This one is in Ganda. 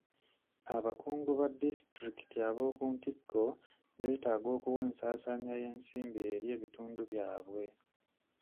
Abakungu ba disitulikiti ab'okuntiko betaaga okuwa ensansanya y'ensimbi eri ebitundu byabwe.